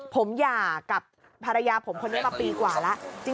ผมหย่ากับภรรยาผมคนนี้มาปีกว่าแล้ว